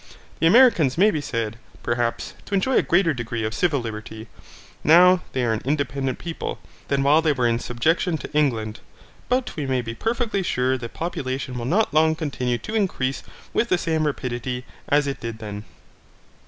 The Americans may be said, perhaps, to enjoy a greater degree of civil liberty, now they are an independent people, than while they were in subjection in England, but we may be perfectly sure that population will not long continue to increase with the same rapidity as it did then.